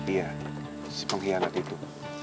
iya si pengkhianat itu